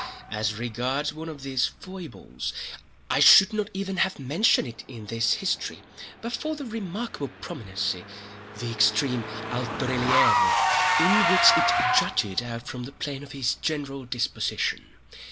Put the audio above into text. As regards one of these foibles, I should not even have mentioned it in this history but for the remarkable prominency—the extreme alto relievo—in which it jutted out from the plane of his general disposition.